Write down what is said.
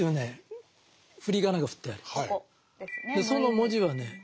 その文字はね